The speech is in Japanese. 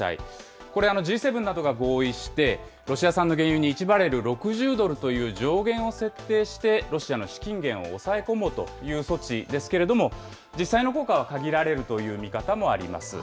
これ、Ｇ７などが合意して、ロシア産の原油に１バレル６０ドルという上限を設定してロシアの資金源を抑え込もうという措置ですけれども、実際の効果は限られるという見方もあります。